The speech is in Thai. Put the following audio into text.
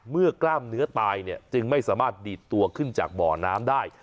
กล้ามเนื้อตายเนี่ยจึงไม่สามารถดีดตัวขึ้นจากบ่อน้ำได้